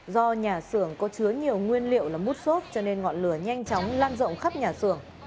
do nhà xưởng có chứa nhiều nguyên liệu là mút xốp cho nên ngọn lửa nhanh chóng lan rộng khắp nhà xưởng